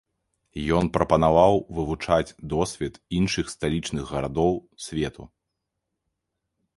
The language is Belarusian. Ён прапанаваў вывучаць досвед іншых сталічных гарадоў свету.